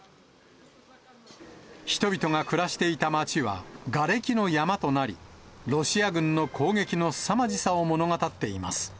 人々が暮らしていた街はがれきの山となり、ロシア軍の攻撃のすさまじさを物語っています。